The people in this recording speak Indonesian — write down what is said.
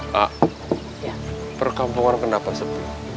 pak perkampungan kenapa sepi